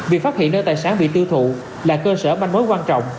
việc phát hiện nơi tài sản bị tiêu thụ là cơ sở manh mối quan trọng